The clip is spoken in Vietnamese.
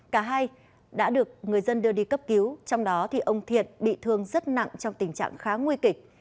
cả hai đã được người dân đưa đi cấp cứu trong đó thì ông thiện bị thương rất nặng trong tình trạng khá nguy kịch